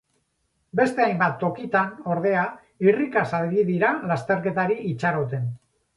Beste hainbat tokitan, ordea, irrikaz ari dira lasterketari itxaroten.